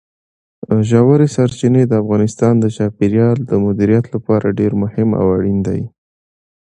ژورې سرچینې د افغانستان د چاپیریال د مدیریت لپاره ډېر مهم او اړین دي.